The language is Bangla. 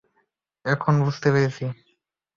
এখন বুঝতে পেরেছি।